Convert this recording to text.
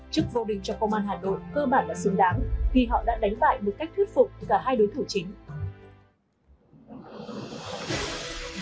chức vô địch trong công an hà nội cơ bản là xứng đáng khi họ đã đánh bại một cách thuyết phục cả hai đối thủ chính